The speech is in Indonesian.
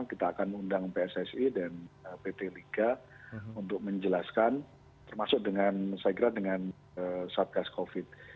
kita akan undang pssi dan pt liga untuk menjelaskan termasuk dengan saya kira dengan satgas covid